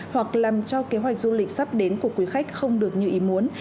hoặc làm cho kế hoạch du lịch sắp đến của quý khách không được như ý muốn